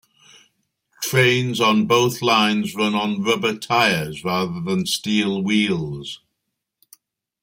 Trains on both lines run on rubber tyres rather than steel wheels.